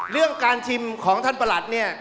เรื่องการชิมของท่านประหลัดเนี่ย